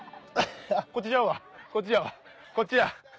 こっちちゃうわこっちちゃうわこっちや。